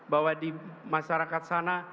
bahwa di masyarakat sana